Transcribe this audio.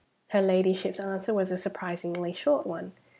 Her Ladyship's answer was a surprisingly short one.